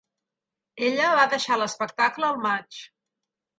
Ella va deixar l'espectacle al maig.